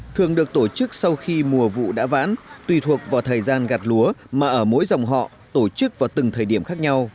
thường được tổ chức sau khi mùa vụ đã vãn tùy thuộc vào thời gian gạt lúa mà ở mỗi dòng họ tổ chức vào từng thời điểm khác nhau